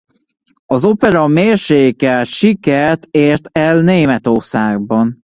Az opera mérsékelt sikert ért el Németországban.